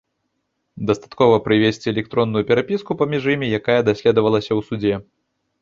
Дастаткова прывесці электронную перапіску паміж імі, якая даследавалася ў судзе.